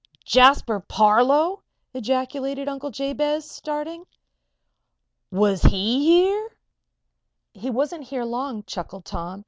"Jasper Parloe!" ejaculated Uncle Jabez, starting. "Was he here?" "He wasn't here long," chuckled Tom.